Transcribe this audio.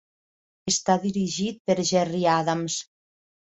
Està dirigit per Gerry Adams.